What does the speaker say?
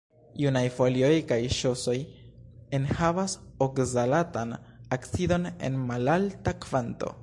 Junaj folioj kaj ŝosoj enhavas okzalatan acidon en malalta kvanto.